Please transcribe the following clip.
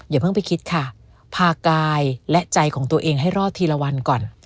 อย่าเพิ่งไปคิดค่ะพากายและใจของตัวเองให้รอดทีละวันก่อน